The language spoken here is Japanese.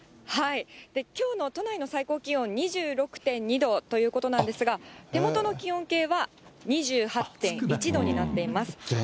きょうの都内の最高気温２６．２度ということなんですが、手元の気温計は２８．１度になっています。